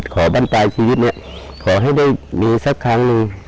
บ้านปลายชีวิตเนี่ยขอให้ได้มีสักครั้งหนึ่ง